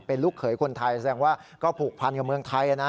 เป็นลูกเขยคนไทยแสดงว่าก็ผูกพันกับเมืองไทยนะ